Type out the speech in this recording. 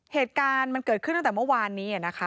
เหตุการณ์มันเกิดขึ้นตั้งแต่เมื่อวานนี้นะคะ